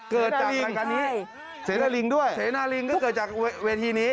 เกิดจากเสนาลิงด้วยเสนาลิงก็เกิดจากเวทีนี้